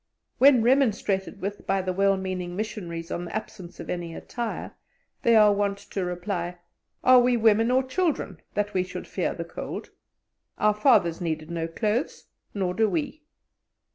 When remonstrated with by the well meaning missionaries on the absence of any attire, they are wont to reply: "Are we women or children, that we should fear the cold? Our fathers needed no clothes, nor do we."